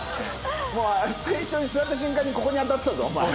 もう最初に座った瞬間にここに当たってたぞお前。